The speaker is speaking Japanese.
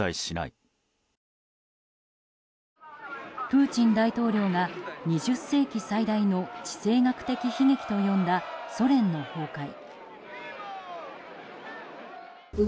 プーチン大統領が２０世紀最大の地政学的悲劇と呼んだ、ソ連の崩壊。